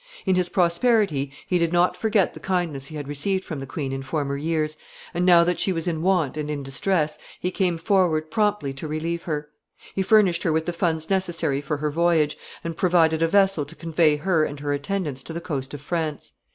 In his prosperity he did not forget the kindness he had received from the queen in former years, and, now that she was in want and in distress, he came forward promptly to relieve her. He furnished her with the funds necessary for her voyage, and provided a vessel to convey her and her attendants to the coast of France.